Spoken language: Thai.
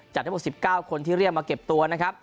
จาก๑๙คนที่เรียกมาเก็บตัวนะครับ